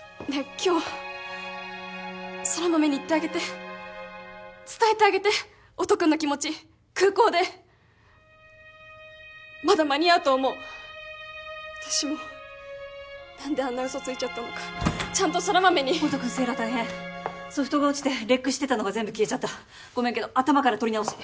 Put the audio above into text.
今日空豆に言ってあげて伝えてあげて音君の気持ち空港でまだ間に合うと思う私も何であんな嘘ついちゃったのかちゃんと空豆に音君セイラ大変ソフトが落ちてレックしてたのが全部消えちゃったごめんけど頭から録り直し